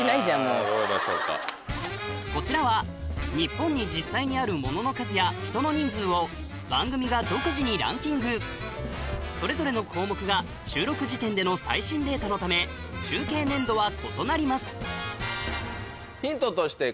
こちらは日本に実際にあるモノの数や人の人数を番組が独自にランキングそれぞれの項目が収録時点での最新データのため集計年度は異なります数？